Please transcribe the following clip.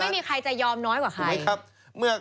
ก็คงไม่มีใครจะยอมน้อยกว่าใคร